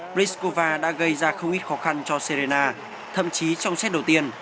pliskova đã gây ra không ít khó khăn cho serena thậm chí trong xét đầu tiên